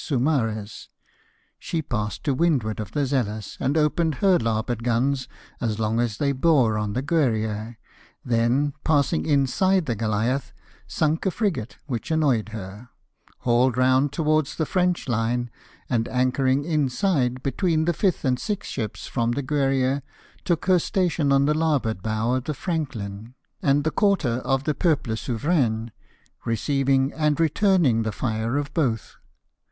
Saumarez ; she passed to windward of the Zealous, and opened her larboard guns as long as they bore on the Guerrier ; then, passing inside the Goliath, sunk a frigate which annoyed her, hauled round towards the French line, and anchoring inside, between the fifth and sixth ships from the Guerrier, took her station on the larboard bow of the Franklin 140 LIFE OF NELSON. and the quarter of the Peuple Souverain, receiving and returning the fire of both.